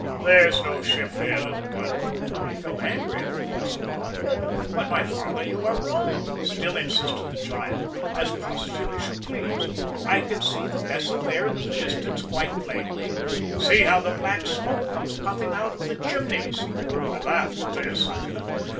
`There's no ship there, little one!' and I felt angry at the false alarm. "`But, my father, you are wrong,' still insisted the child, as positive as you please. `I can see the vessel there in the distance quite plainly. See how the black smoke comes puffing out of the chimneys.' "I laughed at this.